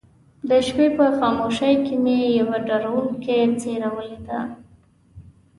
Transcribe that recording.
د شپې په خاموشۍ کې مې يوه ډارونکې څېره وليده.